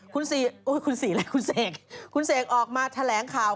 คุณศรีคุณศรีอะไรคุณเสกคุณเสกออกมาแถลงข่าว